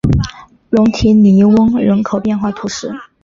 龙提尼翁人口变化图示